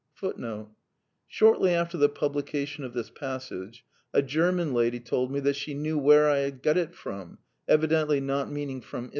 ^^ Shortly after the publication of this passage, a German lady told me that she knew "where I had got it from," evidently not meaning from Ibsen.